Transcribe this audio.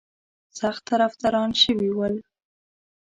سخت طرفداران شوي ول.